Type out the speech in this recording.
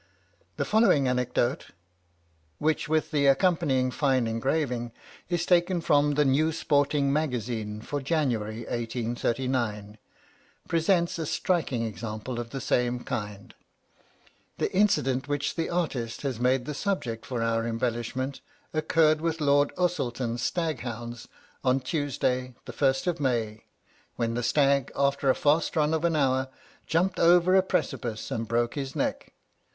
The following anecdote, which with the accompanying fine engraving is taken from the New Sporting Magazine for January 1839, presents a striking example of the same kind: "The incident which the artist has made the subject for our embellishment occurred with Lord Ossulston's stag hounds, on Tuesday, the 1st of May, when the stag, after a fast run of an hour, jumped over a precipice, and broke his neck.